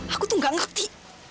aku tuh nggak ngerti